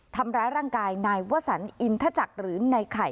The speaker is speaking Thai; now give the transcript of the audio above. ทำร้ายร่างกายนายวสันอินทจักรหรือในไข่